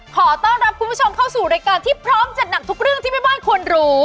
ขอต้อนรับคุณผู้ชมเข้าสู่รายการที่พร้อมจัดหนักทุกเรื่องที่แม่บ้านควรรู้